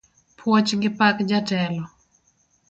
Puoch gi pak jatelo